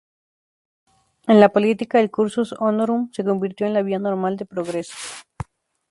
En la política, el "cursus honorum" se convirtió en la vía normal de progreso.